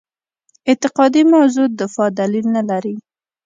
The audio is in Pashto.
اعتقادي موضع دفاع دلیل نه لري.